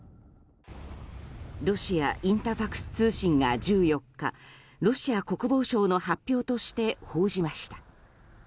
ロシアインタファクス通信が１４日ロシア国防省の発表として報じました。